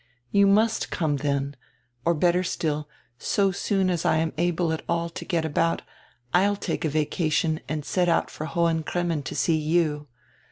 You must come then, or better still, so soon as I am at all able to get about, I'll take a vacation and set out for Hohen Cremmen to see you.